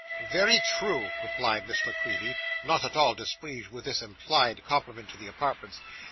'Very true,' replied Miss La Creevy, not at all displeased with this implied compliment to the apartments.